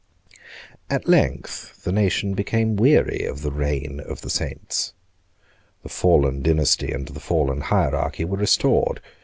At length the nation became weary of the reign of the saints. The fallen dynasty and the fallen hierarchy were restored.